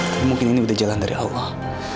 tapi mungkin ini sudah jalan dari allah